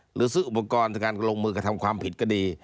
หรือซื้ออุปกรณ์ในการลงมือกระทำความผิดก็ดี